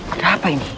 ada apa ini